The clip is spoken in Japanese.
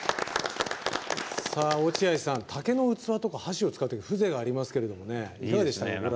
落合さん、竹の器とか箸を使って風情がありますけどもねいかがでしたか？